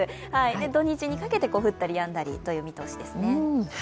土日にかけて降ったりやんだりという見通しですね。